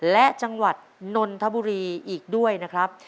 และจังหวัดนนทบุรีอีกด้วยนะครับ